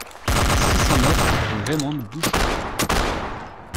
six cent neuf rue Raymonde Bouchaut